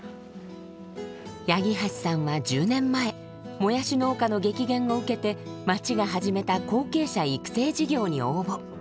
八木橋さんは１０年前もやし農家の激減を受けて町が始めた後継者育成事業に応募。